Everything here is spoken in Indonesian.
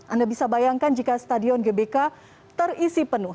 anda bisa bayangkan jika stadion gbk terisi penuh